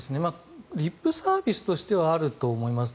リップサービスとしてはあると思います。